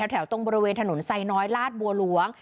แถวตรงบริเวณถนนไซน้อยลาดบัวหลวง